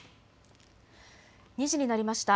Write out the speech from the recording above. ２時になりました。